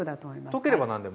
溶ければ何でも。